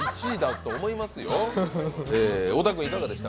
１位だと思いますよ。